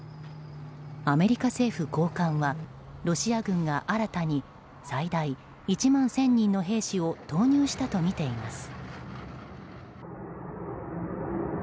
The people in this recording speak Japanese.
アメリカ政府高官はロシア軍が新たに最大１万１０００人の兵士を投入したとみています。